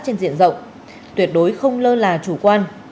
trên diện rộng tuyệt đối không lơ là chủ quan